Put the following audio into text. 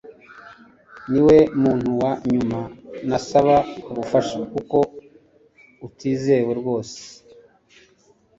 Niwe muntu wa nyuma nasaba ubufasha kuko atizewe rwose